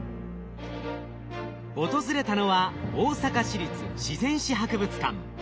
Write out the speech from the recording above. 訪れたのは大阪市立自然史博物館。